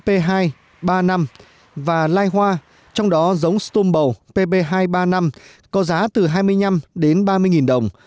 pp hai ba năm và lai hoa trong đó giống stumbo pp hai ba năm có giá từ hai mươi năm đến ba mươi nghìn đồng